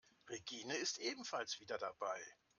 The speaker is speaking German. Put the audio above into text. Regine ist ebenfalls wieder dabei.